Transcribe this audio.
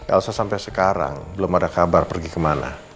elsa sampai sekarang belum ada kabar pergi kemana